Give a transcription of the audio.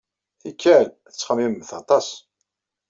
Tikkal, tettxemmimemt aṭas.